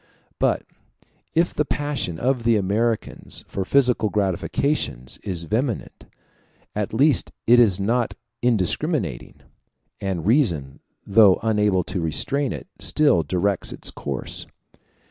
But if the passion of the Americans for physical gratifications is vehement, at least it is not indiscriminating; and reason, though unable to restrain it, still directs its course.